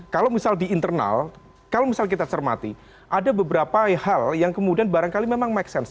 kalau misal di internal kalau misal kita cermati ada beberapa hal yang kemudian barangkali memang make sense